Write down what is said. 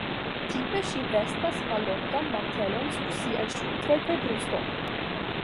Tipe ŝi vestas mallongan mantelon sur siaj ŝultroj kaj brusto.